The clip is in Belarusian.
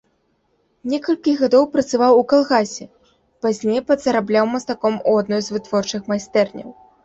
Некалькі гадоў працаваў у калгасе, пазней падзарабляў мастаком у адной з вытворчых майстэрняў.